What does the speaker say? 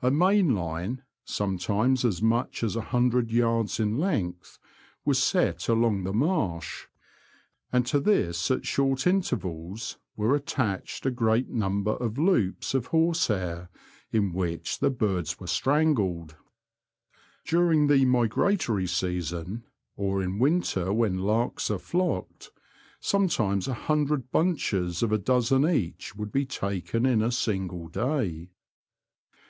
A main line, sometimes as much as a hundred yards in length, was set along the marsh ; and to this at short intervals were attached a great number of loops of horsehair in which the birds were strangled. During the migratory season, or in winter when larks are flocked, sometimes a hundred bunches of a dozen each would be taken in a single day.